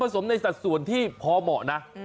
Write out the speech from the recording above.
สมในสัดส่วนที่พอเหมาะนะ